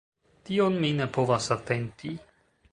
Tion mi ne povas atenti.